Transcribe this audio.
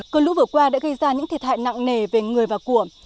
cơn lũ vừa qua đã gây ra những thiệt hại nặng nề về người và của